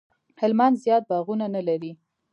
هلمند زیات باغونه نه لري